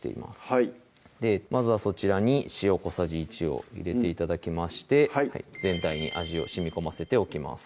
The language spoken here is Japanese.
はいまずはそちらに塩小さじ１を入れて頂きまして全体に味をしみこませておきます